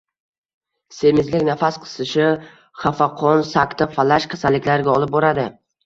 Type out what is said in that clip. Semizlik nafas qisishi, xafaqon, sakta, falaj kasalliklariga olib boradi.